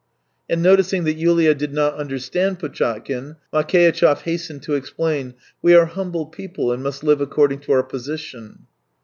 And noticing that Yulia did not understand Potchatkin, Makeitchev hastened to explain: " We are humble people and must live according to our position."